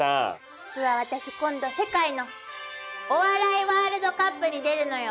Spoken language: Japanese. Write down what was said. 実は私今度世界のお笑いワールドカップに出るのよ！